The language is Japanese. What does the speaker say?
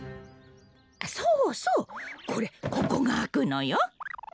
そうそうこれここがあくのよ。